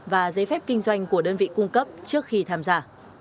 và giấy phép kinh doanh của đơn vị cung cấp trước khi tham gia